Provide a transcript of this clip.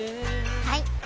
はい！